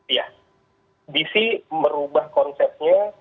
ya dc merubah konsepnya